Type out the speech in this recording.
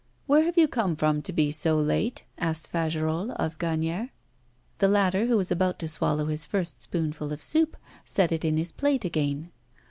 'Where have you come from to be so late?' asked Fagerolles of Gagnière. The latter, who was about to swallow his first spoonful of soup, set it in his plate again.